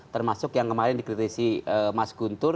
termasuk yang kemarin dikritisi mas guntur